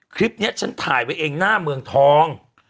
คลิปนี้ฉันถ่ายไว้เองหน้าเมืองทอง